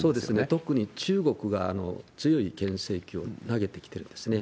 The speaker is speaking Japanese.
特に中国が強いけん制球を投げてきてるんですね。